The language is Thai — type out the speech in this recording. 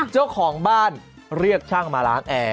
เจ้าของบ้านเรียกช่างมาล้างแอร์